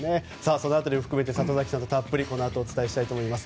その辺りを含めて里崎さんとこのあとお伝えしたいと思います。